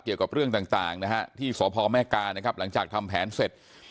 เกี่ยวกับเรื่องต่างนะฮะที่สพแม่กานะครับหลังจากทำแผนเสร็จ